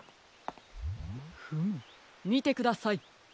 フムみてください。